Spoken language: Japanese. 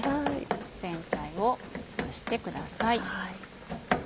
全体をつぶしてください。